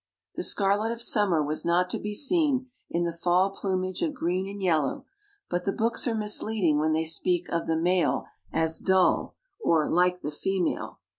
The scarlet of summer was not to be seen in the fall plumage of green and yellow, but the books are misleading when they speak of the male as "dull," or "like the female."